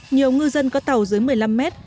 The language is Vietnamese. nhiều ngư dân có tàu dưới một mươi năm mét